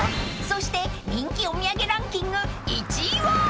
［そして人気お土産ランキング１位は！］